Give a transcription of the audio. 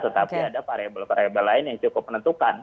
tetapi ada variabel variabel lain yang cukup menentukan